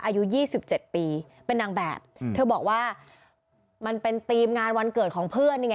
อายุ๒๗ปีเป็นนางแบบเธอบอกว่ามันเป็นทีมงานวันเกิดของเพื่อนนี่ไง